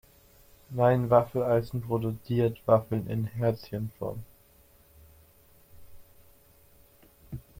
Mein Waffeleisen produziert Waffeln in Herzchenform.